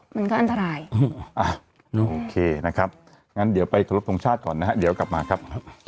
มันก็อันตรายโอเคนะครับงั้นเดี๋ยวไปขอรบทรงชาติก่อนนะฮะเดี๋ยวกลับมาครับ